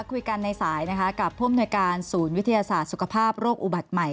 คุยกันในสายนะคะกับผู้อำนวยการศูนย์วิทยาศาสตร์สุขภาพโรคอุบัติใหม่